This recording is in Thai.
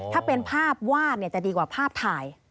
ถ้าเป็นภาพวาดจะดีกว่าภาพถ่าย